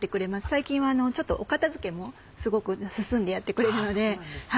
最近はちょっとお片付けもすごく進んでやってくれるので。